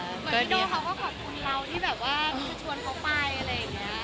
เหมือนพี่โด่เขาก็ขอบคุณเราที่แบบว่าคือชวนเขาไปอะไรอย่างนี้